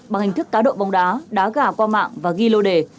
bằng hình thức cá độ bóng đá đá gà qua mạng và ghi lô đề